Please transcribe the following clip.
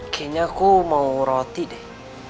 kayaknya aku mau roti deh